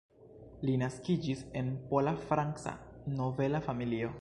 Li naskiĝis en pola-franca nobela familio.